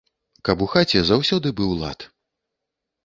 Каб у хаце заўсёды быў лад!